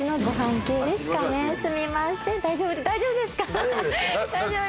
大丈夫ですよ。